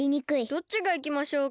どっちがいきましょうか？